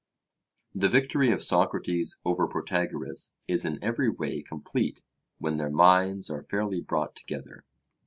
The victory of Socrates over Protagoras is in every way complete when their minds are fairly brought together.